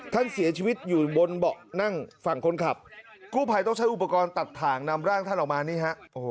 ท่านเสียชีวิตอยู่บนเบาะนั่งฝั่งคนขับกู้ภัยต้องใช้อุปกรณ์ตัดถ่างนำร่างท่านออกมานี่ฮะ